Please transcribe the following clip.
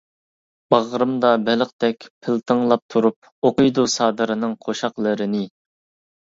باغرىمدا بېلىقتەك پىلتىڭلاپ تۇرۇپ، ئوقۇيدۇ سادىرنىڭ قوشاقلىرىنى.